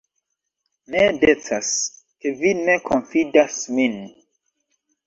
Ne decas, ke vi ne konfidas min.